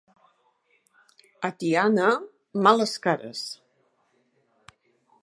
A Tiana, males cares.